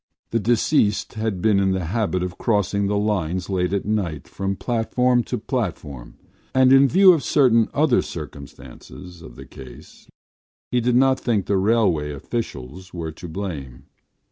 The deceased had been in the habit of crossing the lines late at night from platform to platform and, in view of certain other circumstances of the case, he did not think the railway officials were to blame.